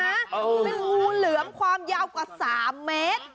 มันงูเหลือมความยาวกว่าสามเมตร